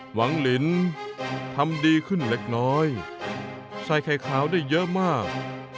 หวังลินทำดีขึ้นเล็กน้อยใส่ไข่ขาวได้เยอะมาก